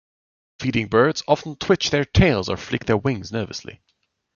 Feeding birds often twitch their tails or flick their wings nervously.